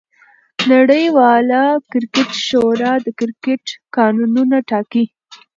نړۍواله کرکټ شورا د کرکټ قانونونه ټاکي.